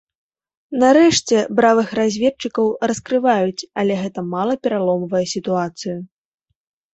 Нарэшце бравых разведчыкаў раскрываюць, але гэта мала пераломвае сітуацыю.